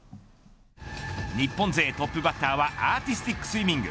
日本勢トップバッターはアーティスティックスイミング。